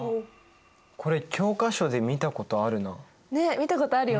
これ教科書で見たことあるな。